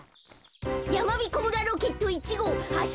やまびこ村ロケット１ごうはっ